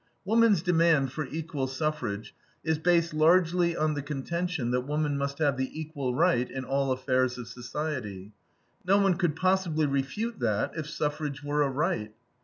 Woman's demand for equal suffrage is based largely on the contention that woman must have the equal right in all affairs of society. No one could, possibly, refute that, if suffrage were a right.